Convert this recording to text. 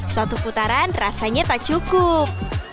satu putaran rasanya tak cukup